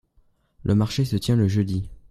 le marché se tient le jeudi.